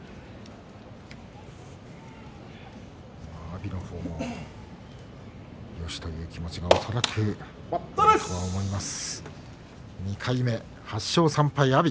阿炎の方もよし、という気持ちが恐らくとは思います。